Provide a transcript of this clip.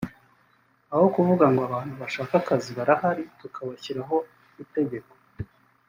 aho kuvuga ngo abantu bashaka akazi barahari tukabashyiraho itegeko